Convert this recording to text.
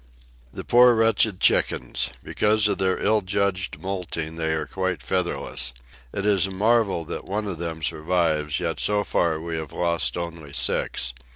The poor wretched chickens! Because of their ill judged moulting they are quite featherless. It is a marvel that one of them survives, yet so far we have lost only six.